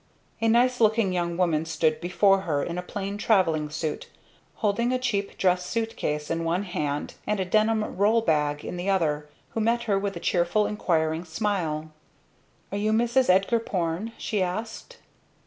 A nice looking young woman stood before her, in a plain travelling suit, holding a cheap dress suit case in one hand and a denim "roll bag" in the other, who met her with a cheerful inquiring smile. "Are you Mrs. Edgar Porne?" she asked.